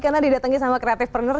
karena didatangi sama kreatif perner